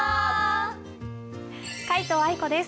皆藤愛子です。